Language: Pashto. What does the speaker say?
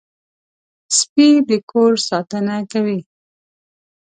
سپي د کور ساتنه کوي.